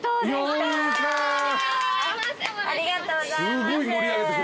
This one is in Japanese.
ありがとうございます。